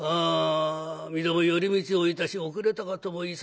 身共寄り道をいたし遅れたかと思い